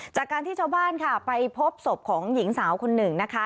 จากการที่ชาวบ้านค่ะไปพบศพของหญิงสาวคนหนึ่งนะคะ